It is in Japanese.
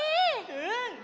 うん！